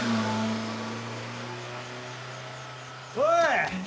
おい！